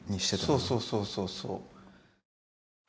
そうそうそうそうそう。